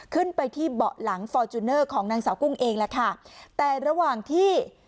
ขึ้นไปที่เบาะหลังฟอร์จูเนอร์ของนางสาวกุ้งเองแหละค่ะแต่ระหว่างที่